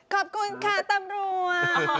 ขอบคุณค่ะตำรวจ